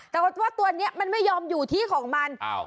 แต่ว่าตัวนี้มันไม่ยอมอยู่ที่ของมัน